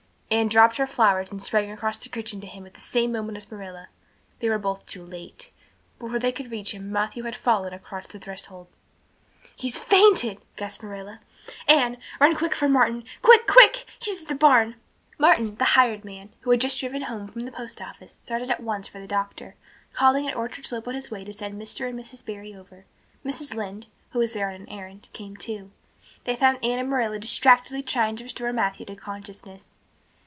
Anne dropped her flowers and sprang across the kitchen to him at the same moment as Marilla. They were both too late; before they could reach him Matthew had fallen across the threshold. "He's fainted," gasped Marilla. "Anne, run for Martin quick, quick! He's at the barn." Martin, the hired man, who had just driven home from the post office, started at once for the doctor, calling at Orchard Slope on his way to send Mr. and Mrs. Barry over. Mrs. Lynde, who was there on an errand, came too. They found Anne and Marilla distractedly trying to restore Matthew to consciousness.